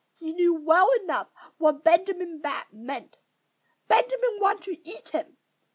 He knew well enough what Benjamin Bat meant. Benjamin wanted to eat him!